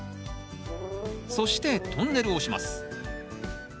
そしてトンネルをします。